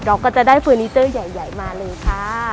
ก็จะได้เฟอร์นิเจอร์ใหญ่มาเลยค่ะ